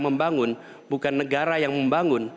membangun bukan negara yang membangun